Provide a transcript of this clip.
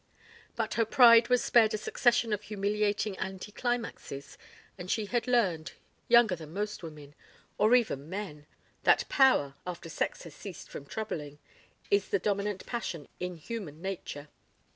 But her pride was spared a succession of humiliating anti climaxes, and she had learned, younger than most women, or even men, that power, after sex has ceased from troubling, is the dominant passion in human nature.